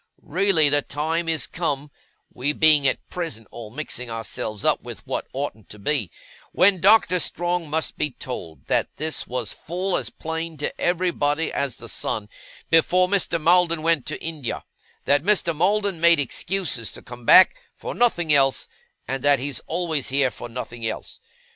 Really the time is come (we being at present all mixing ourselves up with what oughtn't to be), when Doctor Strong must be told that this was full as plain to everybody as the sun, before Mr. Maldon went to India; that Mr. Maldon made excuses to come back, for nothing else; and that he's always here, for nothing else.